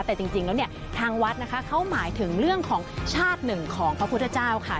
แต่จริงแล้วเนี่ยทางวัดนะคะเขาหมายถึงเรื่องของชาติหนึ่งของพระพุทธเจ้าค่ะ